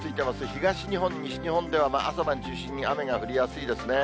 東日本、西日本では、朝晩中心に雨が降りやすいですね。